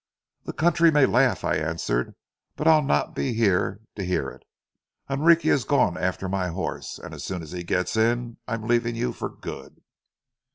"The country may laugh," I answered, "but I'll not be here to hear it. Enrique has gone after my horse, and as soon as he gets in I'm leaving you for good."